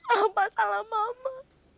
apa salah mama